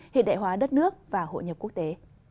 hiện đại hóa đất nước và hội nhập quốc tế